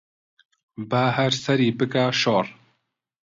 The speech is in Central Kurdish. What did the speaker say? با هەر سەری بکا شۆڕ